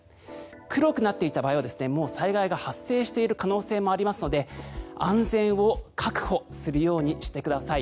黒くなっていた場合はもう災害が発生している可能性もありますので安全を確保するようにしてください。